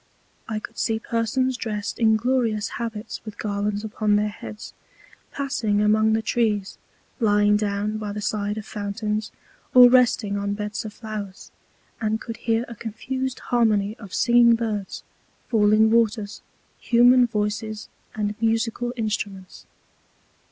I could see Persons dressed in glorious Habits with Garlands upon their Heads, passing among the Trees, lying down by the Side of Fountains, or resting on Beds of Flowers; and could hear a confused Harmony of singing Birds, falling Waters, human Voices, and musical Instruments.